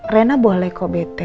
rena boleh kok bete